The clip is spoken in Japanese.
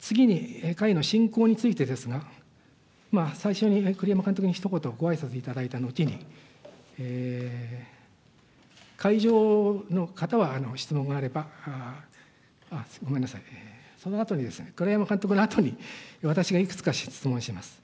次に会の進行についてですが、最初に栗山監督にひと言ごあいさついただいた後に、会場の方は質問があれば、ごめんなさい、そのあとに、栗山監督のあとに、私がいくつか質問します。